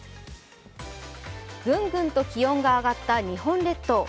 ぐんぐんと気温が上がった日本列島。